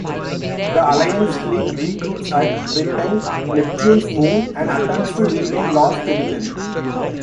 The Alliance fleet regroups at Triton, Neptune's moon, and attempts to regain lost territory.